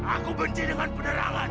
aku benci dengan penerangan